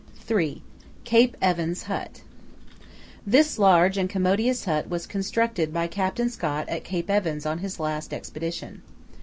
(3) CAPE EVANS HUT This large and commodious hut was constructed by Captain Scott at Cape Evans on his last Expedition.